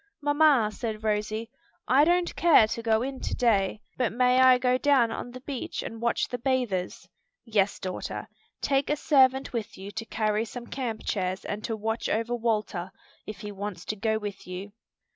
"Mamma," said Rosie, "I don't care to go in to day, but may I go down on the beach and watch the bathers?" "Yes, daughter. Take a servant with you to carry some camp chairs and to watch over Walter, if he wants to go with you."